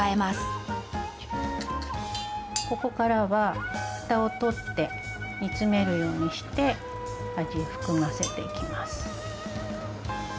ここからはフタを取って煮つめるようにして味含ませていきます。